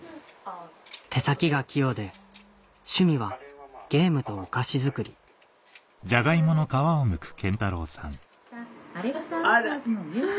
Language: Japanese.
手先が器用で趣味はゲームとお菓子作りあら。